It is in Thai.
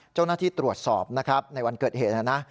เจ้าหน้าที่ตรวจสอบในวันเกิดเหตุนะ